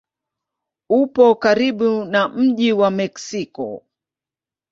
Upo karibu na mji wa Meksiko.